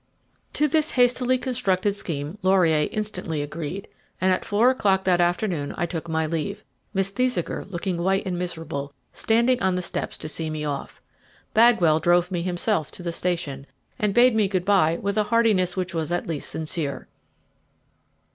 To this hastily constructed scheme Laurier instantly agreed, and at four o'clock that afternoon I took my leave, Miss Thesiger, looking white and miserable, standing on the steps to see me off. Bagwell drove me himself to the station, and bade me good bye with a heartiness which was at least sincere.